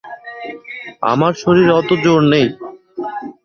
আমার শরীরে অত জোর নেই।